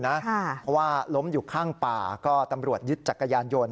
เพราะว่าล้มอยู่ข้างป่าก็ตำรวจยึดจักรยานยนต์